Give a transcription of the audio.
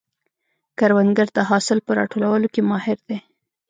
کروندګر د حاصل په راټولولو کې ماهر دی